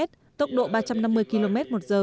tốc độ ba trăm năm mươi km